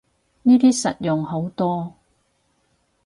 呢啲實用好多